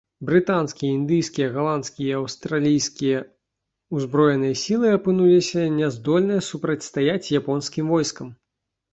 Брытанскія, індыйскія, галандскія і аўстралійскія ўзброеныя сілы апынуліся няздольныя супрацьстаяць японскім войскам.